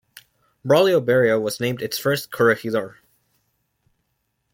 Braulio Berrio was named its first "Corregidor".